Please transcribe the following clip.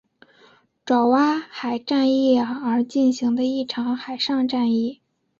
爪哇海战役而进行的一场海上战役。